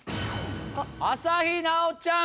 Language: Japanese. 朝日奈央ちゃん。